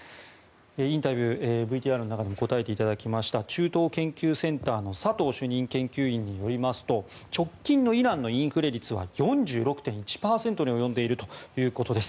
インタビュー、ＶＴＲの中でも答えていただきました中東研究センターの佐藤主任研究員によりますと直近のイランのインフレ率は４６．１％に及んでいるということです。